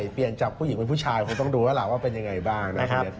เปลี่ยนจากผู้หญิงเป็นผู้ชายคงต้องดูแล้วล่ะว่าเป็นยังไงบ้างนะครับ